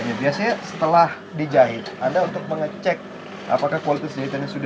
yang bau wisuda